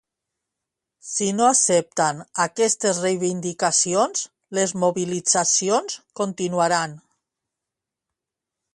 Si no accepten aquestes reivindicacions, les mobilitzacions continuaran.